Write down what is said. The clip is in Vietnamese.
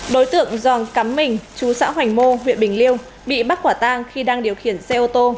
đối tượng doàng cắm mình chú xã hoành mô huyện bình liêu bị bắt quả tang khi đang điều khiển xe ô tô